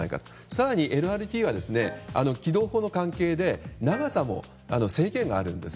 更にＬＲＴは、軌道法の関係で長さの制限もあるんです。